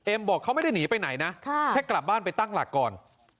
บอกเขาไม่ได้หนีไปไหนนะแค่กลับบ้านไปตั้งหลักก่อน